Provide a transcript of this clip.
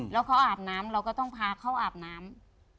แล้วเขาอาบน้ำเราก็ต้องพาเขาอาบน้ำ